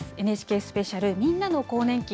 ＮＨＫスペシャル、みんなの更年期。